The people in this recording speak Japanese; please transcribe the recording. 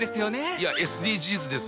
いやＳＤＧｓです。